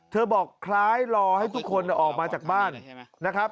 บอกคล้ายรอให้ทุกคนออกมาจากบ้านนะครับ